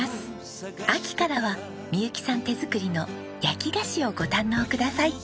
秋からは未佑紀さん手作りの焼き菓子をご堪能ください。